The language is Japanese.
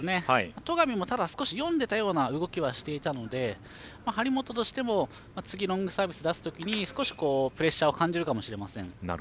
戸上も少し読んでいたような動きはしていたので張本としても次ロングサービス出す時に少しプレッシャーを感じるかもしれません。